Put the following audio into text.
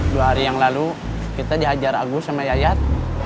dua hari yang lalu kita dihajar agus sama yayat